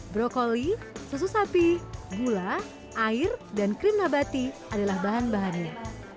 brokoli susu sapi gula air dan krim nabati adalah bahan bahannya